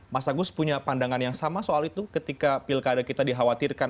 mas agus punya pandangan yang sama soal itu ketika pilkada kita dikhawatirkan